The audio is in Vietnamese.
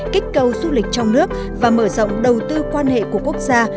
kích cầu du lịch trong nước và mở rộng đầu tư quan hệ của quốc gia